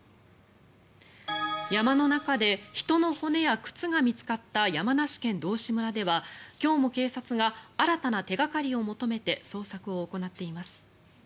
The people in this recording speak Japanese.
山の中で人の骨や靴が見つかった山梨県道志村では今日も警察が新たな手掛かりを求めて捜索を行っています。